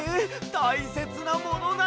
たいせつなものなのに！